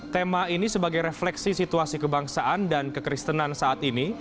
tema ini sebagai refleksi situasi kebangsaan dan kekristenan saat ini